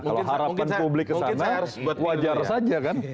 kalau harapan publik kesana wajar saja kan